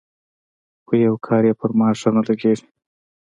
خو يو کار يې پر ما ښه نه لګېږي.